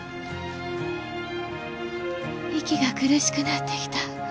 息が苦しくなってきた。